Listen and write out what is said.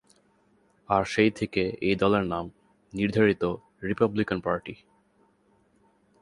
আর সেই থেকে এই দলের নাম নির্ধারিত রিপাবলিকান পার্টি।